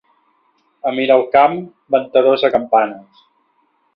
A Miralcamp, ventadors de campanes.